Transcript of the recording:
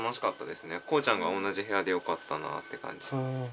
「こうちゃんが同じへやでよかったな」って感じ。